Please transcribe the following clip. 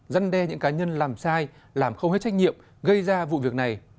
giăn đe những cá nhân làm sai làm không hết trách nhiệm gây ra vụ việc này